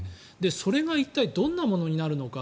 それが一体、どんなものになるのか。